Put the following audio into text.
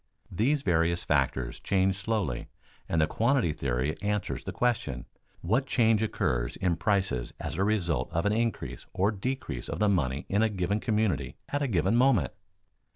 These various factors change slowly, and the quantity theory answers the question, What change occurs in prices as a result of an increase or decrease of the money in a given community at a given moment?